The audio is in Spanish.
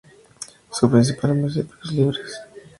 Su principal municipio es Libres.